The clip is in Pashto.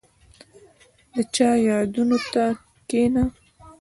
• د چا یادونو ته کښېنه.